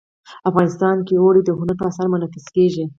افغانستان کې اوړي د هنر په اثار کې منعکس کېږي.